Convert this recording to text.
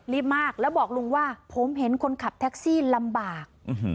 มากแล้วบอกลุงว่าผมเห็นคนขับแท็กซี่ลำบาก